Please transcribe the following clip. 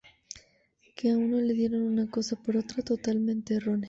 Que a uno le dieron una cosa por otra totalmente errónea.